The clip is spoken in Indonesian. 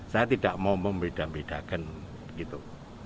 saya tidak mau membeda bedakan gitu